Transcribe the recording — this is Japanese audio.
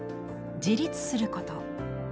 「自立すること」。